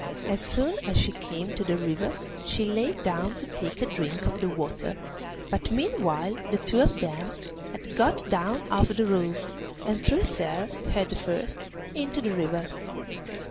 As soon as she came to the river she lay down to take a drink of the water, but meanwhile the two of them had got down off the roof and thrust her, head first, into the river.